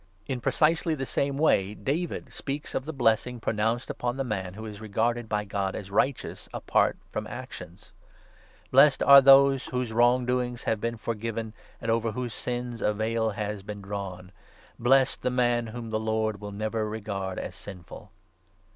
In precisely the same way David speaks of 6 the blessing pronounced upon the man who is regarded by God as righteous apart from actions —' Blessed are those whose wrong doings have been forgiven and 7 over whose sins a veil has been drawn ! Blessed the man whom the Lord will never regard as sinful